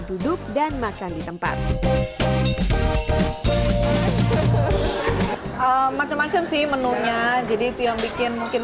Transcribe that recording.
segala gala contacts shaped dia bikin mungkin